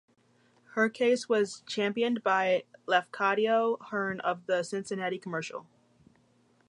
Her case was championed by Lafcadio Hearn of "The Cincinnati Commercial".